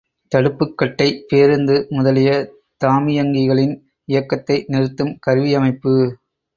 தடுப்புக்கட்டை பேருந்து முதலிய தாமியங்கிகளின் இயக்கத்தை நிறுத்தும் கருவியமைப்பு.